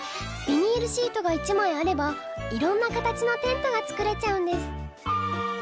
ビニールシートが１枚あればいろんな形のテントが作れちゃうんです！